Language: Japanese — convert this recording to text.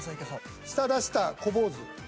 舌出した小坊主。